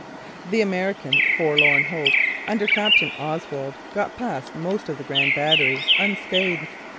The American forlorn hope, under Captain Oswald, got past most of the Grand Battery unscathed.